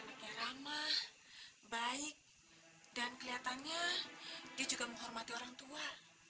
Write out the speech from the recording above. ada ramah baik dan kelihatannya dia juga menghormati orang tua